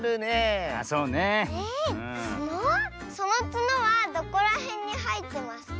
そのつのはどこらへんにはえてますか？